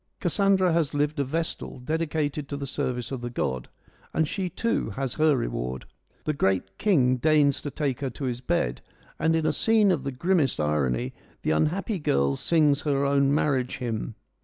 Cassandra has lived a vestal, dedicated to the service of the god, and she too has her reward. The great king deigns to take her to his bed, and in a scene of the grimmest irony the unhappy girl sings her own marriage hymn.